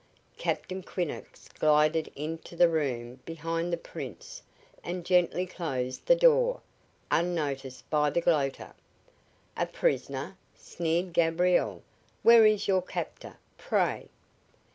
Captain Quinnox glided into the room behind the Prince and gently closed the door, unnoticed by the gloater. "A prisoner?" sneered Gabriel. "Where is your captor, pray?"